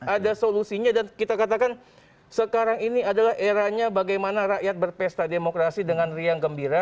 ada solusinya dan kita katakan sekarang ini adalah eranya bagaimana rakyat berpesta demokrasi dengan riang gembira